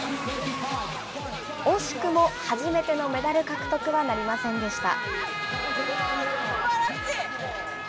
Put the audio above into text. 惜しくも初めてのメダル獲得はなりませんでした。